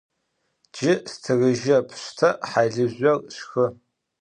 Cı stırıjep, şşte halızjor, şşxı.